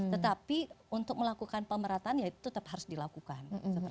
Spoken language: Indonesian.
tetapi untuk melakukan pemerataan ya itu tetap harus dilakukan